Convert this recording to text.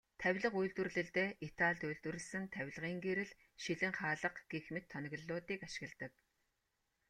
Тавилга үйлдвэрлэлдээ Италид үйлдвэрлэсэн тавилгын гэрэл, шилэн хаалга гэх мэт тоноглолуудыг ашигладаг.